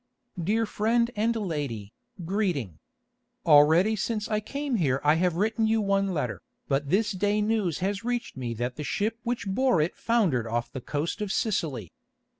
"Dear friend and lady, greeting. Already since I came here I have written you one letter, but this day news has reached me that the ship which bore it foundered off the coast of Sicily.